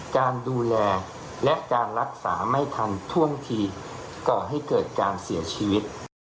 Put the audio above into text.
การดูแลและการรักษาไม่ทันท่วงทีก่อให้เกิดการเสียชีวิต